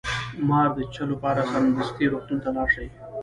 د مار د چیچلو لپاره سمدستي روغتون ته لاړ شئ